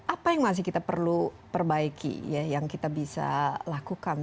apa yang masih kita perlu perbaiki yang kita bisa lakukan